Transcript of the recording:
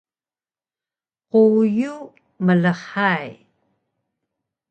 quyu mlhay